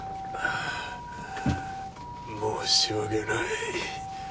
ああ申し訳ない。